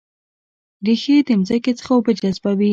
ریښې د ځمکې څخه اوبه جذبوي